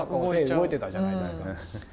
動いてたじゃないですか。